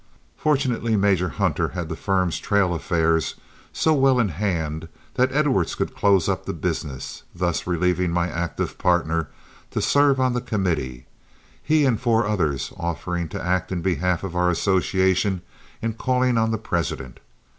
Fortunately Major Hunter had the firm's trail affairs so well in hand that Edwards could close up the business, thus relieving my active partner to serve on the committee, he and four others offering to act in behalf of our association in calling on the President.